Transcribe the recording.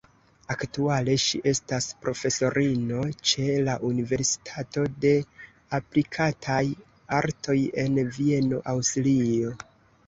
Aktuale ŝi estas profesorino ĉe la Universitato de aplikataj artoj en Vieno, Aŭstrio.